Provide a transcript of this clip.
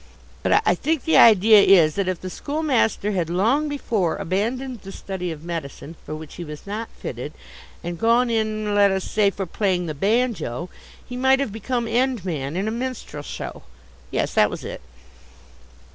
But I think the idea is that if the schoolmaster had long before abandoned the study of medicine, for which he was not fitted, and gone in, let us say, for playing the banjo, he might have become end man in a minstrel show. Yes, that was it.